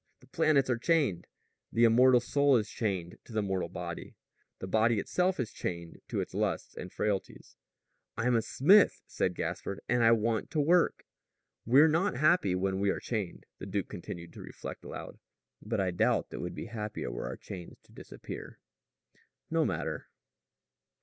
The planets are chained. The immortal soul is chained to the mortal body. The body itself is chained to its lusts and frailties." "I'm a smith," said Gaspard, "and I want to work." "We're not happy when we are chained," the duke continued to reflect aloud. "But I doubt that we'd be happier were our chains to disappear. No matter."